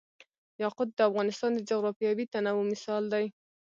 یاقوت د افغانستان د جغرافیوي تنوع مثال دی.